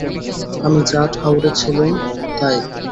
আমি যা ঠাউরেছিলুম তাই।